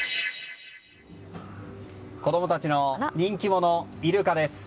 子供たちの人気者、イルカです。